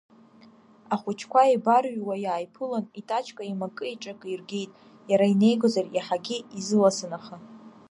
Ахәыҷқәа еибарҩуа иааиԥылан, итачка еимакы-еиҿакы иргеит, иара инеигозар иаҳагьы изыласын аха.